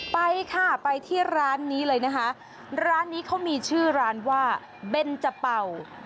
ไปค่ะไปที่ร้านนี้เลยนะคะร้านนี้เขามีชื่อร้านว่าเบนจะเป่า